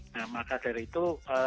nah maka dari itu